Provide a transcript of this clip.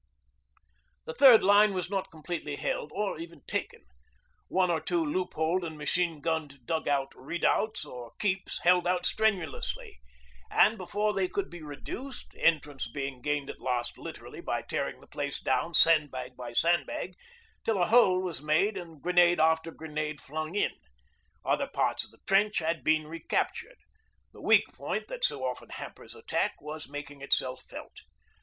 The third line was not completely held or even taken. One or two loopholed and machine gunned dug out redoubts, or 'keeps,' held out strenuously, and before they could be reduced entrance being gained at last literally by tearing the place down sandbag by sandbag till a hole was made and grenade after grenade flung in other parts of the trench had been recaptured. The weak point that so often hampers attack was making itself felt.